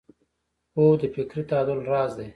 خوب د فکري تعادل راز دی